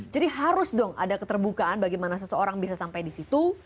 jadi harus dong ada keterbukaan bagaimana seseorang bisa sampai di situ